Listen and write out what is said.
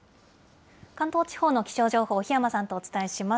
関東地方の気象情報、檜山さんとお伝えします。